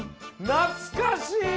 なつかしい！